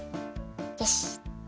よし！